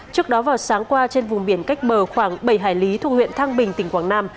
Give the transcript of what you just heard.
trước đó vào sáng qua trên vùng biển cách bờ khoảng bảy hải lý thuộc huyện thăng bình tỉnh quảng nam